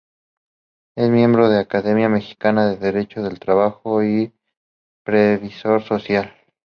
Es miembro de la Academia Mexicana de Derecho del Trabajo y Previsión Social.